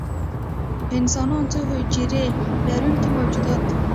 انسانان څو حجرې لرونکي موجودات دي